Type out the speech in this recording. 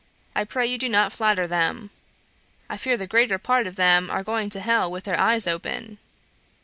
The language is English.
I pray you do not flatter them. I fear the greater part of them are going to hell with their eyes open.'"